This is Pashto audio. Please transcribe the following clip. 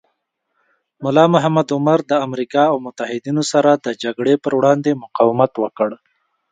ملا محمد عمر د امریکا او متحدینو سره د جګړې پر وړاندې مقاومت وکړ.